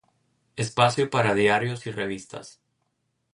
Espacio para diarios y revistas.